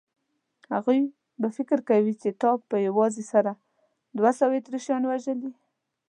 هغوی به فکر کوي چې تا په یوازې سره دوه سوه اتریشیان وژلي.